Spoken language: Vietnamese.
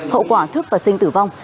hậu quả thức và sinh tử vong